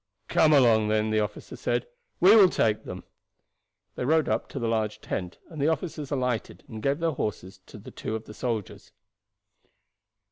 "Come along, then," the officer said; "we will take them." They rode up to the large tent, and the officers alighted, and gave their horses to two of the soldiers.